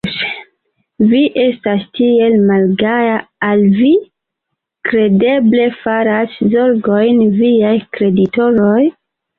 Vi estas tiel malgaja, al vi kredeble faras zorgojn viaj kreditoroj?